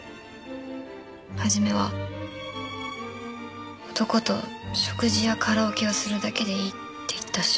初めは男と食事やカラオケをするだけでいいって言ったし。